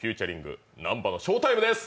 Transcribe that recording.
アナのショータイムです。